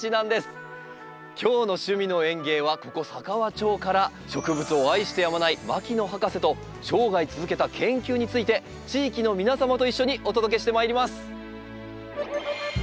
今日の「趣味の園芸」はここ佐川町から植物を愛してやまない牧野博士と生涯続けた研究について地域の皆様と一緒にお届けしてまいります。